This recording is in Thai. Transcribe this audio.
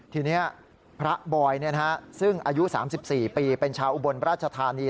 ทีนี้พระบอยซึ่งอายุ๓๔ปีเป็นชาวอุบลราชธานี